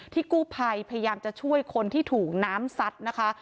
กู้ภัยพยายามจะช่วยคนที่ถูกน้ำซัดนะคะ